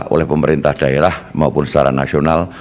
oleh pemerintah daerah maupun secara nasional